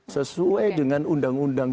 sesuai dengan undang undang